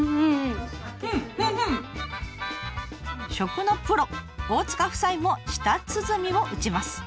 食のプロ大塚夫妻も舌鼓を打ちます。